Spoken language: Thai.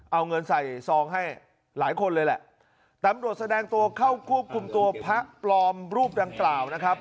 เอาเงินใส่ซองให้หลายคนเลยแหละตำรวจแสดงตัวเข้าควบคุมตัวพระปลอมรูปดังกล่าวนะครับ